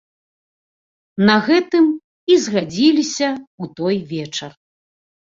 На гэтым і згадзіліся ў той вечар.